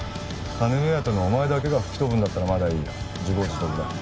金目当てのお前だけが吹き飛ぶんだったらまだいいよ自業自得だ